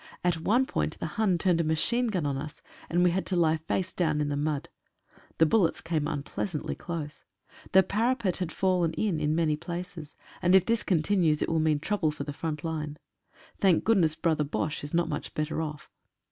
At one point the Hun turned a machine gun on us, and we had to lie face down in the mud. The bullets came unpleasantly close. The parapet had fallen in in many places, and if this con tinues it will mean trouble for the front line. Thank goodness brother Boche is not much better off.